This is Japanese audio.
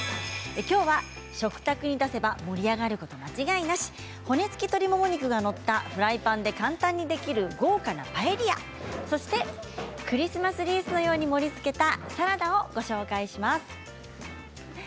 きょうは、食卓に出せば盛り上がること間違いなし骨付き鶏もも肉が載ったフライパンで簡単にできる豪華なパエリアそしてクリスマスリースのように盛りつけたサラダをご紹介します。